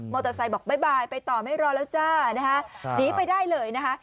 มอเตอร์ไซค์บอกบ๊ายบายไปต่อไม่รอแล้วจ้าหนีไปได้เลยนะคะ